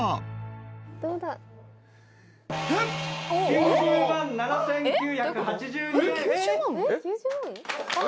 ９０万７，９８２円。